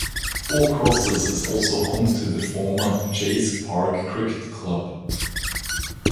Four Crosses is also home to the former Chase Park Cricket Club.